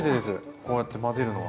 こうやって混ぜるのは。